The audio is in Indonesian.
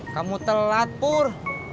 kamu telat pur